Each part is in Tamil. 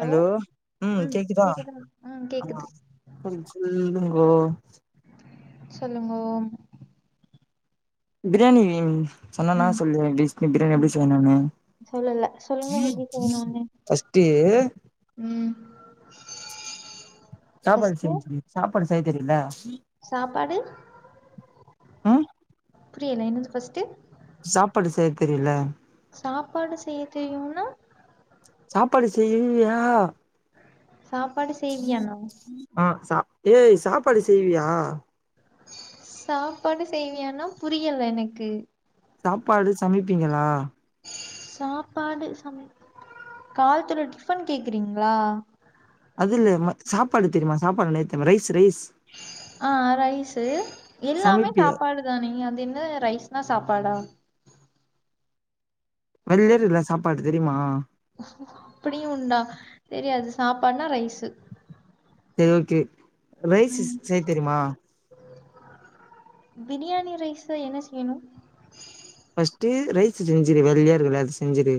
ஹலோ ம் கேக்குதா ஆமா சொல் சொல்லு ஓ சொல்லுங்கோ பிரியாணி சொன்னன்னா ம் சொல்லு பிஸ்மி பிரியாணி ம் எப்டி செய்யன்னு சொல்லல சொல்லுங்க எப்டி செய்யணுன்னு ஃபஸ்ட்டு ம் சாப்பாடு ஃபஸ்ட்டு செஞ்சுடு சாப்பாடு செய்ய தெரியுல சாப்பாடு அ புரியல என்னது பஸ்ட்டு சாப்பாடு செய்ய தெரியல சாப்பாடு செய்ய தெரியுன்னா சாப்பாடு செய்வியா சாப்பாடு செய்வியானா ஆ சாப்டு சாப்பாடு செய்வியா சாப்பாடு செய்வீயானா புரியல எனக்கு சாப்பாடு சமைப்பீங்களா சாப்பாடு ச காலத்துல டிஃபன் கேக்குறீங்களா அதுலமா சாப்பாடு தெரியுமா சாப்பாடு நை தெரியுமா ரைஸ் ரைஸ் ஆ ரைஸு எல்லாமே சமைப்பியா சாப்பாடுதானேங்க அது என்ன ரைஸ்னா சாப்பாடா வெள்ல இருக்ற சாப்பாடு தெரியுமா சாப்பாட்னா ரைஸு செரி ஓகே ரைஸு ம் செய்ய தெரியுமா பிரியாணி ரைஸு என்ன செய்யணு பஸ்ட்டு ரைஸ் செஞ்சுரு வெள்ளையா இருக்குல அது செஞ்சுரு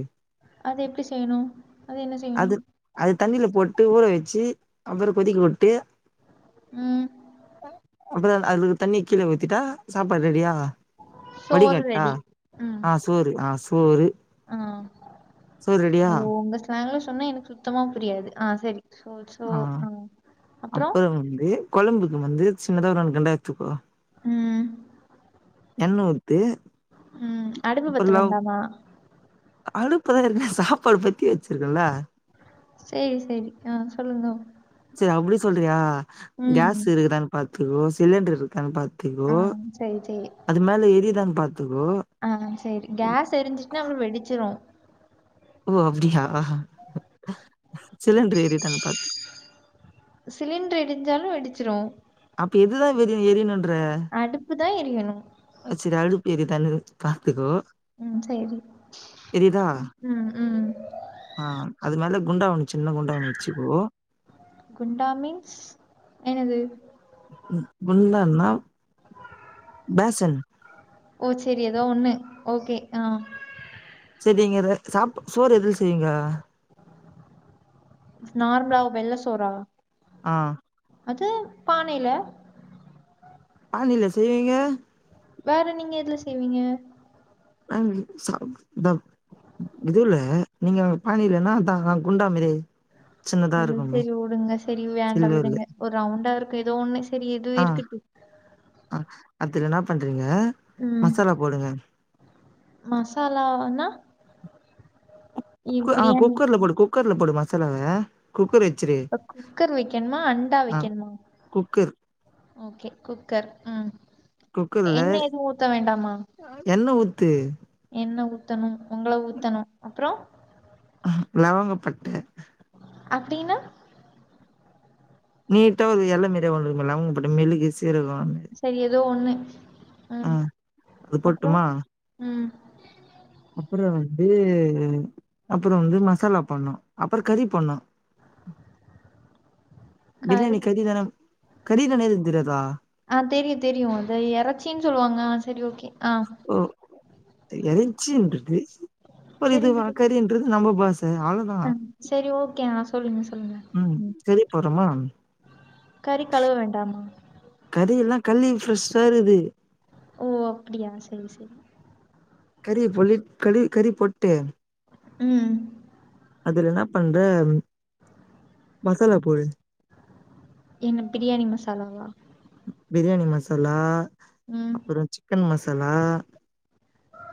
அது எப்டி செய்யணு அது என்ன செய்யணு அது அது தண்ணில போட்டு ஊற வச்சு அப்பறோ கொதிக்க விட்டு ம் அப்பறோ அதுலருக்குற தண்ணிய கீழ ஊத்திட்டா சாப்பாடு ரெடியா சோறு வடிகட்டா ரெடி ம் ஆ சோறு ஆ சோறு சோறு ரெடியா ஐய்யோ உங்க ஸ்லாங்ல சொன்னா எனக்கு சுத்தமா புரியாது ஆ செரி சோ சோ ஆ அப்றோ அப்புறோ வந்து கொழம்புக்கு வந்து சின்னதாவ ஒரு நாலு கண்டா எடுத்துப்பா ம் எண்ணூரு ம் அடுப்பு பத்த வேண்டாமா அடுப்புதா ஏற்கனவே சாப்பாடு பொத்தி வச்சுருக்கேன்ல செரி செரி ஆ சொல்லுங்க அப் இது அப்டி சொல்றியா கேஸ் இருக்குதான்னு பாத்துக்கோ சிலிண்டர் இருக்கான்னு பாத்து ஆ த்துக்கோ சேரி சேரி அது மேல எரியுற அந் ஆ செரி கேஸ் எரிஞ்சுட்ன்னா அப்பறோ வெடிச்சிரு ஓ அப்படியா சிலிண்டர் ஏறிதான் பாத்து சிலிண்டர் இடிஞ்சாலும் வெடிச்சிரும் அப்ப எதுதான் விரிய எரியனுன்ற அடுப்பு தா எரியணு சரி அடுப் இது தன் பாத்துக்கோ உம் செரி எரியுதா உம் உம் ம் ஆ அது மேல குண்டாவொன்னு சின்ன குண்டாவொன்னு வெச்சுக்கோ குண்டாமின்ஸ் என்னது குண்டான்னா பேசன் ஓ செரி ஏதோ ஒன்னு ஓகே ஆ செரிங்க சாப் சோறு எதுல செய்வீங்கோ நார்மலா வெள்ள சோறா ஆ அது பானைல ஆனில செய்விங்க வேற நீங்க எதுல செய்வீங்க ம் ச தம் இது உல்ல நீங்க ஆங்க பாணி இல்லன்னா குண்டா மாரி சின்னதா அ இருக்குமே சரி விடுங்க சரி வேண்டா சில்வர்ல விடுங்க ஒரு ரவுண்டா இருக்கு ஏதோ ஒன்னு சரி எதுவும் இருக்கட்டு அ அதுல என்ன பண்றீங்க ம் மசாலா போடுங்க மசாலானா இ- குக்க ஆ பிரியாணி குக்கர்ல போடு குக்கர்ல போடு மசாலாவ குக்கர் வச்சிரு இப்ப குக்கர் வைக்கணுமா அண்டா ஆ வைக்கணுமா குக்கர் ஓகே குக்கர் ம் குக்கர்ல என்ன எது ஊத்த வேண்டாமா எண்ணெ ஊத்து என்ன ஊ த்தணும் உங்கள ஊத்தணும் அப்ரோ லவங்கப்பட்டு அப்படின்னா நீட்டா ஒரு ஏழ மாரி ஒன்னு இருக்குல லவங்க பட்ட மெழுகு சி சீரக சரி ஏதோ ஒண்ணு ம் அது அப்றோ போட்டுமா அப்ரோ வந்து அப்ரோ வந்து மசாலா பண்ணோம் அப்ரோ கறி பண்ணோம் கறி பிரியானி கரீதான கரீதான எது தெறியாதா ஆ தெரியும் தெரியும் அது எறச்சினு சொல்லுவாங்க ஆ செரி ஓகே ஆ எறச்சின்றது ஒரு சரி இது வழக் மேடம் கறின்றது நம்ப பாச ஆ அவ்ளோதான் சரி ஓகே ஆ சொல்லுங்க சொல்லுங்க உம் ம் கரி போறமா கறி கழுவ வேண்டாமா கரியல கழுவி பிரெஷா இருக்குது ஓ அப்டியா சரி சரி கறி பொ க கறி பொட்டு உம் வேர என்ன பண்ற மசாலா போடு என்ன பிரியாணி மசாலாவா பிரியாணி மசாலா ம் அப்ரோ சிக்கன் மசாலா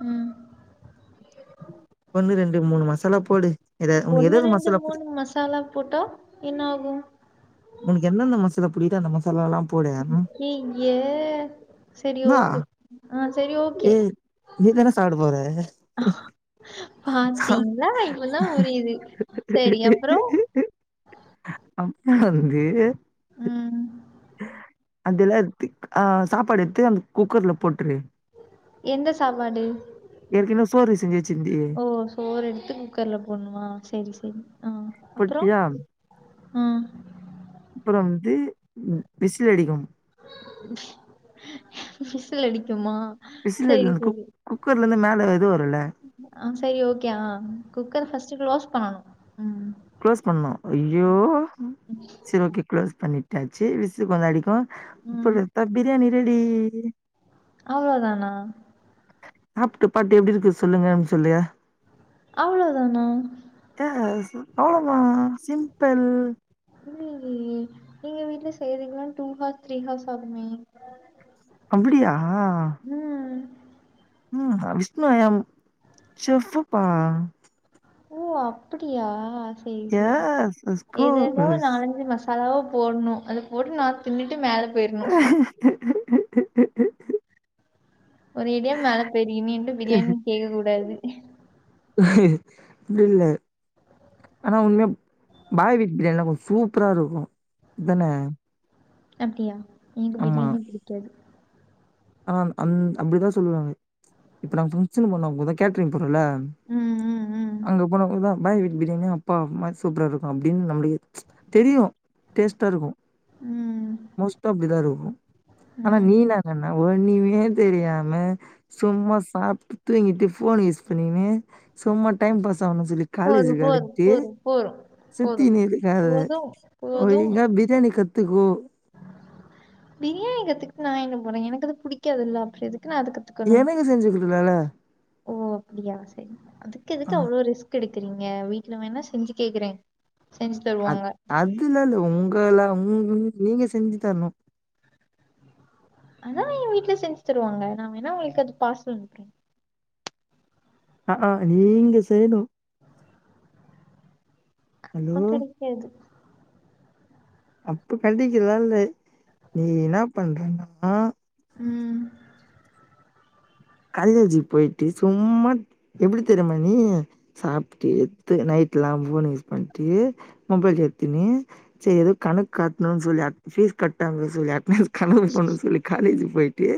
உம் ஒன்னு ரெண்டு மூணு மன் மசாலா போடு ஏத உனக்கு ஒன்னு ஏதுஏது ரெண்டு மசாலா போடி மூணு மசாலா போட்டா என்ன ஆகு உனக்கு எந்தெந்த மசாலா புடிக்கிதோ அந்த மசா அய்யய்ய சரி என்னா ஓகே ஆ சரி ஓகே நீதான சாப்ட போற பாத்தீங்களா இப்பதா புரியுது சரி அப்றோ [unintelligible] அம்மா வந்து ம் அதெல்லா எத்து ஆ சாப்பாடு எடுத்து அந்த குக்கர்ல போட்ரு எந்த சாப்பாடு ஏற்கனவே சோறு செஞ்சி ஓ சோறு எடுத்து குக்கர்ல போட்னுமா சேரி சேரி ஆ போட்டியா அ அப்றோ வந்து விசில் அடிக்கும் விசில் அடிக்குமா விசில் குக் குக்கர்லருந்து மேல வர் ம் சேரி ஓகே ஆ குக்கர் ஃபஸ்ட்டு க்ளோஸ் பண்ணனு க்ளோஸ் பண்ணு ஐயோ சேரி ஒகே க்ளோஸ் பண்ணிட்டாச்சு விசில் கொஞ்சோ அடிக்கு ம். சொல்லு த பிரியாணி ரெடி அவ்ளோதானா சாப்டு பாத்து எப்டி இருக்கு சொல்லுங்கன் சொல்லு அவ்ளோ தானா எஸ் அவ்ளோதா சிம்பிள் இல்லைங்ளே நீங்க வீட்ல செய்றீங்ளா டூ ஹார்ஸ் த்ரீ ஹார்ஸ் ஆகுமே அப்புடியா ம். ம் அ விஷ்ணு ஐ அம் செஃபுபா ஓ அப்டியா சேரி சேரி எஸ் எஸ் ஏதேதோ கோர்ஸ் நாலஞ்சு மாஸ் அலவா போட்ணு அது போட்டு நா தின்னுட்டு மேல போயிரணும். [unintelligible] ஒரே அடியா மேல போய்ருவீங்க மீண்டு பிரியாணின் கேக்ககூடாது அப்டி இல்ல ஆனா உண்மயா பாய் வீட் பிரியாணிலா கொஞ்சோ சூப்ரா இருக்கு தான அப்டியா எனக்கு பிரியாணியே புடிக்காது ஆ அந் அப்டிதா சொல்லுவாங்க இப்ப நாங்க ஃபங்ஷன் போனப்பதா கேட்ரிங் உள்ள ம், ம், ம். அங்க போனப்ரோதா பாய் வீட் பிரியாணினா அப்பா மா சூப்ராருக்கும் அப்டின் நம்ளுகே தெரியு டேஸ்டா இருக்கு ம், மோஸ்டா அப்டிதாருக்கு ஆனா ம். நீதா ஒண்ணுமே தெரியாம சும்மா சாப்டு தூங்கிட்டு போன் யூஸ் பண்ணினு சும்மா டைம் பாஸ் ஆவுணு சொல்லி போதும், காலேஜுக் போதும், கிளபிட்டு போதும், போதும், போதும். சுத்தினு இருக்காத போதும், போதும். ஒழுங்கா பிரியாணி கத்துகோ பிரியாணி கத்துகுட்டு நா எங்க போறே எனக்குதா புடிக்காதுல்ல அப்றோ எதுக் எனக்கு செஞ்சி குடுகலால்ல ஓ அப்டியா சேரி அதுக் எதுக்கு அவ்ளோ ரிஸ்க் எடுக்குறீங்க வீட்ல வேணா செஞ்சி கேக்குறே அ அதுல்லா இல்ல உங்கள உங் நீங்க செஞ்சு தர்ணு அதா எங் வீட்ல செஞ்சு தருவாங்க நா வேணா உங்ளுக்கு அது பார்சல் அனுப்புறே அஆ நீங்க செய்ணு ஹலோ! அப்ப கடைக்காது அப்ப கடைகற்லா இல்ல நீ என்ன பண்றனா ம் காலேஜு போய்ட்டு சும்மா எப்டி தெரியுமா நீ சாப்டு எத்து நைட் லாம் போன யூஸ் பண்டு மொபைல் எத்துனு சேரி எதோ கணக் காட்டுனு சொல்லி கட்ட பேசுவ யார்ட்னயாது கனவு பண்னு சொல்லி காலேஜுக் போய்ட்டு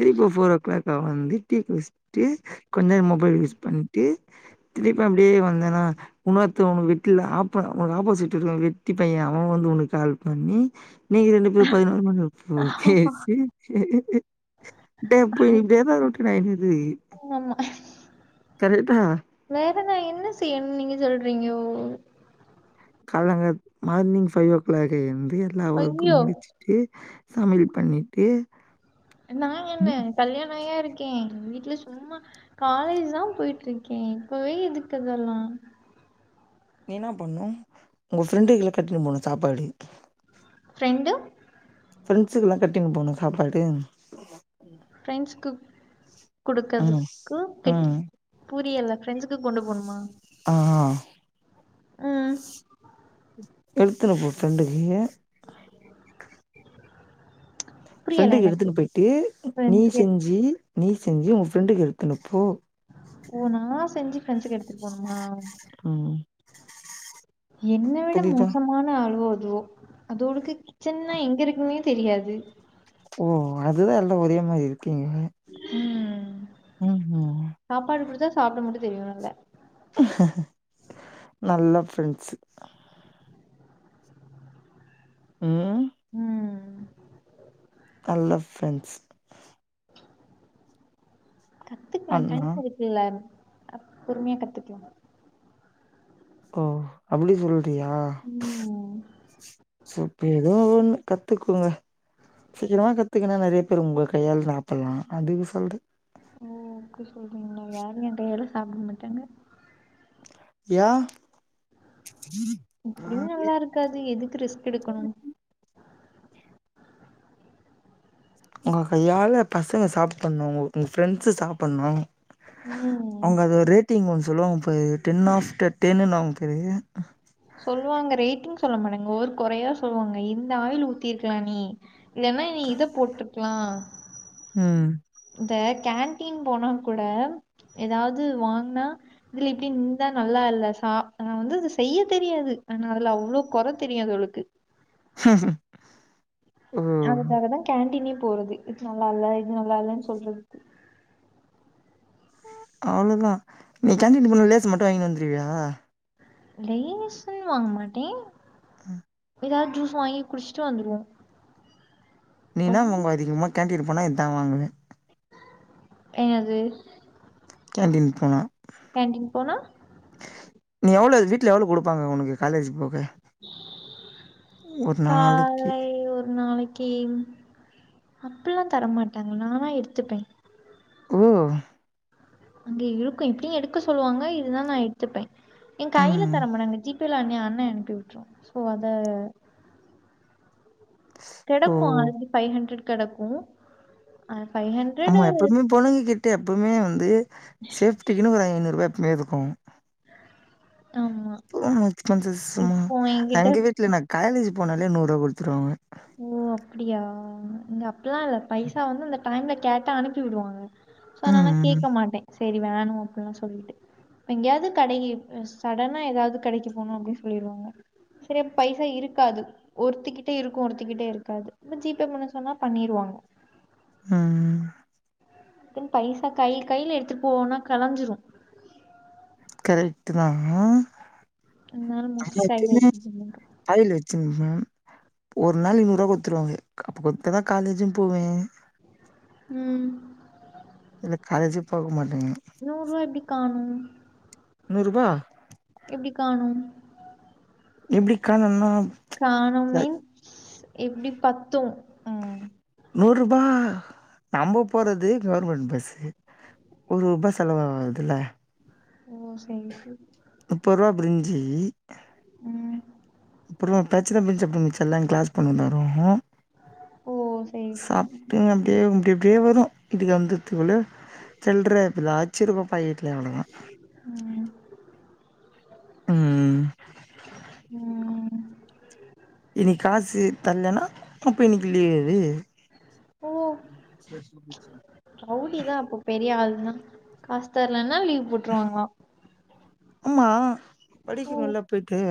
திரும்ப போர் ஓ க்ளாக் வந்து டீ குடிஸ் டு கொஞ் நேரோ மொபைல் யூஸ் பண்டு திருப்ப அப்டியே வந் வந்தேனா ஒண்ணுருத்தவ வீட்ல ஆப்பண்ண போனா ஆப்போஸிட்ல வெட்டி பைய அவ வந்து உனக்கு கால் பண்ணி நீங்க ரெண்டு பேரும் பதினோரு மணி வரை ஆமா. பேசி [unintelligible] [unintelligible] கரெக்டா வேற நா என்ன செய்யணு நீங்க சொல்றீங்யோ காலங்காத் மார்னிங் ஃபைவ் ஓ கிளாக்லயிருந்து எல்லா ஐயோ! ஒர்க்கும் முடிச்சிட்டு சமையல் பண்ணிட்டு நாங் என்ன நீ கல்யாண ஆயா யிருக் கேன் வீட்ல சும்மா காலேஜ் தா போயிட்ருக்கே இப்பவே எதுக்கு இதெல்லா நீ என்ன பண்ணும் உங்க ஃப்ரெண்டுக்கு கட்டிட்டு போனும் சாப்பாடு ப்ரெண்டு ஃப்ரெண்ட்ஸுக்கு எல்லா கட்டிட்டு போணு சாப்பாடு ஃப்ரெண்ட்ஸூக்கு ம் கொடுக்குறதுக்கு கட்டி ம் பூ புரியல்ல ஃப்ரெண்டஸூக்கு கொண்டு போணுமா ஆ ம் எடுத்துண்ணு போ ஃப்ரெண்டுக்கு ங்க புரியல ஃப்ரெண்டுக்கு எனக்கு. எடுத்துட்டு போயிட்டு நீ ஃப்ரெண்ட்ஸுக்கு எடுத் செஞ்சி நீ செஞ்சி உங்க ஃப்ரெண்டுக்கு எடுத்துன்னு போ செஞ்சி ஃபிரண்சுக்கு எடுத்துட்டு போணுமா ம் என்ன விட புரியுதா மோசமான ஆளுவோ இதோ அதுவோளுக்கு கிச்சன்னா எங்க இருக்குன்னே தெரியாது ஓ அதுதா எல்லா ஒரே மாரி இருக்கீங்க ம் ம் ம்ஹூம் சாப்பாடு கொடுத்தா சாப்புட மட்டும் தெரியு நல்ல நல்ல ஃப்ரண்ட்ஸ்ஸு ம் ம் நல்ல ஃப்ரண்ட்ஸ் கத்துப்ப ஆனா டயம் இருக்குல பொறுமையா கத்துக்கலா ஓ அப்டி சொல்றியா ம் சூப் ஏதோ ஒண்ணு கத்துக்கோங்க சீக்கிரமா கத்துக்கின்னா நறைய பேரு உங்க கையால சாப்ட்லா அதுக்கு சொல்ற ஓ சாப்புட மாட்டாங்க யா எப்டியு நல்லா இருக்காது எதுக்கு ரிஸ்க் எடுக்கணு உங்க கையால பசங்க சாப்புண்ணு உங்க ஃப்ரெண்ட்ஸீ சாப்புண்ணு ம் அவங்க அது ஒரு ரேட்டிங் வந்து சொல்லுவாங்க பாரு டென் ஆஃப்டர் டென்னுவாங்க பாரு சொல்லுவாங்க ரேட்டிங் சொல்ல மாடங்க ஒரு குறையா சொல்லுவாங்க இந்த ஆயில் ஊத்திருக்கலா நீ இல்லன்னா நீ இத போட்ருக்கலா ம் இந்த கேண்டீன் போனா கூட எதாவது வாங்னா இதுல இப்டி இந்த நல்லா இல்ல சா நா வந்து செய்ய தெரியாது ஆனா அதுல அவ்ளோ குறை தெரியு அதுவளுக்கு ஹஹ அதுக்காக தா கேண்டீனே போறது இது நல்லா இல்ல இது நல்லா இல்லன்னு சொல்றதுக்கு அவ்ளோ தா நீ கேண்டின் போனா லேசு மட்டு வாங்கிட்டு வந்துடுவியா லேஸ்ஸூன்னு வாங்க மாட்டே ம் எதாவது ஜூஸ்ஸூ வாங்கி குடிச்சுட்டு வந்துடுவோ நீனா வாங்குவ அதிகமா கேண்டீன் போனா இதா வாங்குவே என்னது கேன்டீன் போனா கேன்டின் போனா நீ எவ்ளோ வீட்டுல எவ்ளோ குடுப்பாங்க உனக்கு காலேஜ் போக ஒரு நாளைக்கு காலே ஒரு நாளிக் கி அப்பில்லா தரமாட்டாங்க நானா எடுத்துப்பே ஓ அங்க இருக்கு எப்புடியு எடுக்க சொல்லுவாங்க இல்லனா நா எடுத்துப்பே என் ம் கையில தர மாட்டாங்க ஜி பேல அனு ஏயா அண்ணை அனுப்பிவுட்ருவாங்க சோ அத [inaudible] ஓ கெடக்கு அது ஃபைவ் ஹண்ட்ரட் கெடக்கு ஆமா எப்பவுமே பொண்ணுங்க கிட்ட எப்பவுமே வந்து சேஃப்டிக்குனு ஒரு ஐநூறு வே எப்புமே இருக்கு ஆமா போம்மோது எடுத்துட்டு வந்து சும்மா இப்போ எங்க என்கிட்ட வீட்டுல நா காய்லேஜ் போனாலே நூறு ரூவா குடுத்துருவாங்க ஓ அப்டியா இங்க அப்பிட்லா இல்ல பைசா வந்து அந்த டைம்ல கேட்ட அனுப்பி விடுவாங்க சோ அதுனால நா ம், கேட்க மாட்டே செரி வேணா அப்பில்லா சொல்லிட்டு எங்கியாது கடைகி சடனா எதாது கடைக்கு போணு அப்டின்னு சொல்லிருவாங்க செரியா பைசா இருக்காது ஒருத்திக்கிட்ட இருக் கொடுத்திகிட்டே இருக்காது இந்த ஜி பே பண்ண சொன்னா பண்ணிருவாங்க ம்ம் தென் பைசா கை கையில எடுத்துட்டு போனா கலஞ்சிரு கரெக்ட்டு தா அதனால மோஸ்ட்லி ஐயா கையில டேய்லி எடுத்துட்டு போக மாட்டோம். கைல வெச்சினுகிறே ஒரு நாளிக் நூர்ரூவா குடுத்துருவாங்க அப்ப குத்தா தா காலேஜின்னு போவே ம் இல்ல காலேஜே போகமாட்டிங்க நூர் ரூவா எப்டி காணு நூர் ரூபா எப்டி காணும் எப்டி காணுன்னா காணோ மீன்ஸ் எப்டி பத்து நூர் ரூபா நம்ம போறது கவர்மெண்ட் பஸ்ஸு ஒரு ரூபா செலவாவாதுல ஓ செரி செரி பிரிஞ்சி ம் அப்புறோ பிரச்சன [unintelligible] கிளாஸ் பொண்ணு தாரு ஓ செரி செரி சாப்புட்டு அப்டியே அப்டியப்டியே வரோ [unintelligible] வந்து இதுகுள்ள சில்ற ஏத்து லாச்சிரிமா பாப்பான் பாக்கெட்ல அவ்ளோதா ம் ம் ம் இன்னிக் காசு தர்லனா அப்ப இன்னைக்கு லீவு எடு ஓ ரவுடிதா அப்போ பெரிய ஆள்தா காஸ்தர்லனா லனா லீவ் போட்ருவாங்களா ஆமா ஓ படிக்கனுல போயிட்டு